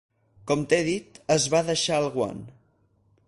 Com t'he dit, es va deixar el guant.